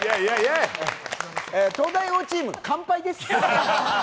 東大王チーム、完敗です。